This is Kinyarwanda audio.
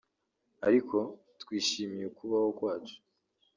ariko twishimiye ukubaho kwacu